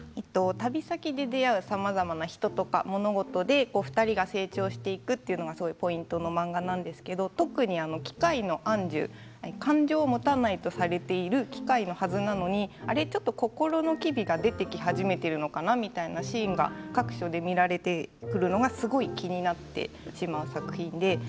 旅先で出会うさまざまな人や物ごとで２人が成長していくということがポイントの漫画なんですけど特に機械のアンジュ感情を持たないとされている機械のはずなのにちょっと心の機微が出てき始めているのかなというシーンが各所で見られてくるのがすごく気になってしまう作品です。